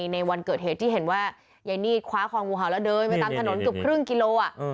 ในวันเกิดเหตุที่เห็นว่ายายนีดคว้าคองงูเห่าแล้วเดินไปตามถนนเกือบครึ่งกิโล